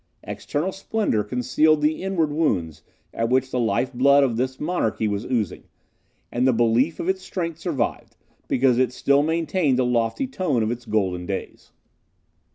External splendour concealed the inward wounds at which the life blood of this monarchy was oozing; and the belief of its strength survived, because it still maintained the lofty tone of its golden days.